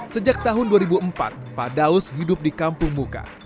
sejak tahun dua ribu empat pak daus hidup di kampung muka